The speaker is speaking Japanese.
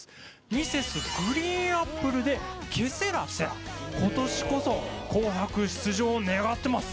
Ｍｒｓ．ＧＲＥＥＮＡＰＰＬＥで『ケセラセラ』ことしこそ『紅白』出場を願ってます。